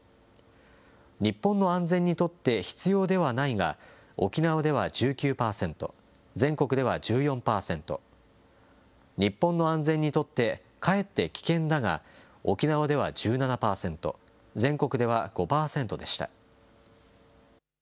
日本の安全にとって必要ではないが沖縄では１９％、全国では１４％、日本の安全にとってかえって危険だが沖縄では１７％、全国では５％でした。